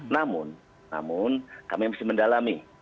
namun kami harus mendalami